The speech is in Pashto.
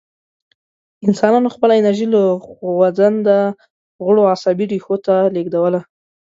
انسانانو خپله انرژي له خوځنده غړو عصبي ریښو ته لېږدوله.